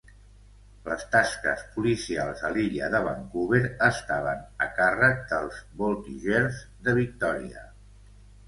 Les tasques policials a l'illa de Vancouver estaven a càrrec dels "Voltigeurs" de Victòria.